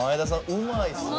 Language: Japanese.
うまいっすね。